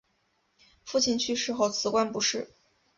父亲去世后辞官不仕。